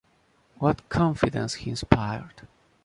What confidence he inspired!